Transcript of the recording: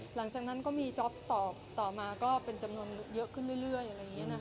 หลังจากนั้นก็มีจอปต่อมาก็เป็นจำนวนเยอะขึ้นเรื่อย